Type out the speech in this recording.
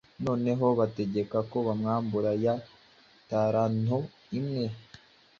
". Noneho ategeka ko bamwambura ya talanto imwe